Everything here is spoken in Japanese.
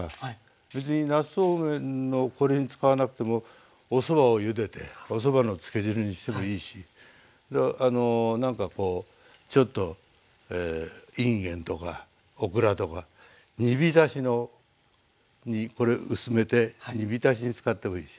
別になすそうめんのこれに使わなくてもおそばをゆでておそばのつけ汁にしてもいいしなんかこうちょっとインゲンとかオクラとか煮浸しにこれ薄めて煮浸しに使ってもいいし。